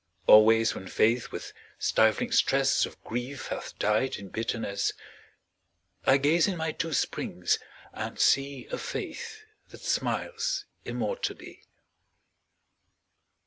Always when Faith with stifling stress Of grief hath died in bitterness, I gaze in my two springs and see A Faith that smiles immortally.